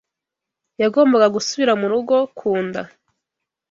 Yagombaga gusubira mu rugo ku nda